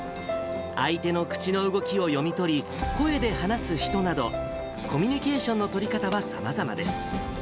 相手の口の動きを読み取り、声で話す人など、コミュニケーションの取り方はさまざまです。